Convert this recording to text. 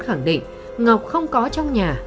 khẳng định ngọc không có trong nhà